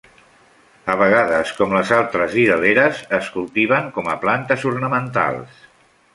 A vegades, com les altres didaleres, es cultiven com a plantes ornamentals.